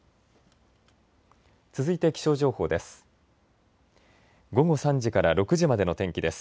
続いて気象情報です。